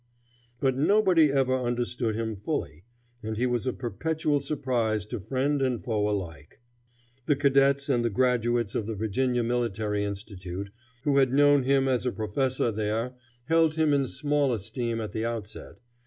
But nobody ever understood him fully, and he was a perpetual surprise to friend and foe alike. The cadets and the graduates of the Virginia Military Institute, who had known him as a professor there, held him in small esteem at the outset.